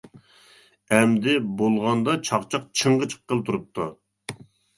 ئەمدى بولغاندا چاقچاق چىڭىغا چىققىلى تۇرۇپتۇ.